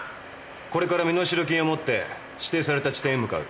これから身代金を持って指定された地点へ向かう。